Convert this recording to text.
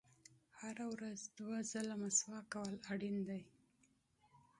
• هره ورځ دوه ځله مسواک کول اړین دي.